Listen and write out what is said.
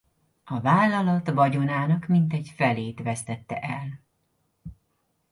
A vállalat vagyonának mintegy felét vesztette el.